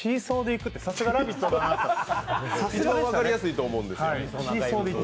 一番分かりやすいと思うんですよ。